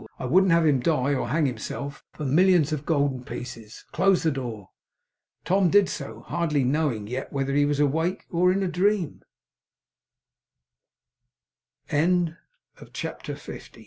I wouldn't have him die or hang himself, for millions of golden pieces! Close the door!' Tom did so; hardly knowing yet whether he was awake or in a dr